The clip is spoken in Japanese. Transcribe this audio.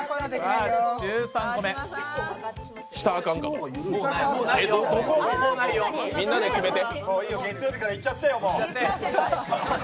いいよ、もう月曜日からいっちゃって。